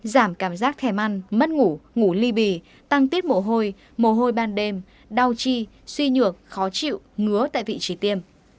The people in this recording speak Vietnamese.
giảm cảm giác thèn ăn mất ngủ ngủ ly bì tăng tiết mổ hôi mồ hôi ban đêm đau chi suy nhược khó chịu ngứa tại vị trí tiêm